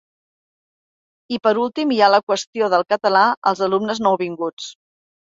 I, per últim, hi ha la qüestió del català als alumnes nouvinguts.